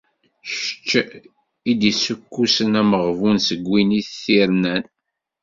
Kečč i d-issukkusen ameɣbun seg win i t-irnan.